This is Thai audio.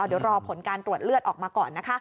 เดี๋ยวรอผลการตรวจเลือดออกมาก่อนนะคะ